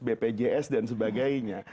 bpjs dan sebagainya